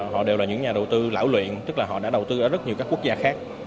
họ đều là những nhà đầu tư lão luyện tức là họ đã đầu tư ở rất nhiều các quốc gia khác